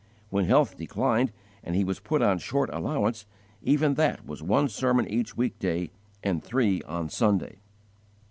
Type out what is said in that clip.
When health declined, and he was put on 'short allowance,' even that was _one sermon each week day and three on Sunday.